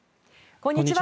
こんにちは。